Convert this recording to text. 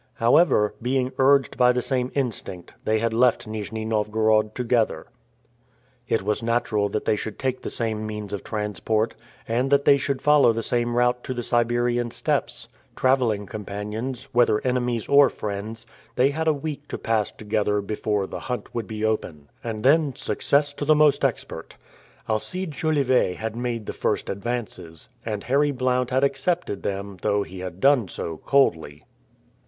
However, being urged by the same instinct, they had left Nijni Novgorod together. It was natural that they should take the same means of transport, and that they should follow the same route to the Siberian steppes. Traveling companions, whether enemies or friends, they had a week to pass together before "the hunt would be open." And then success to the most expert! Alcide Jolivet had made the first advances, and Harry Blount had accepted them though he had done so coldly.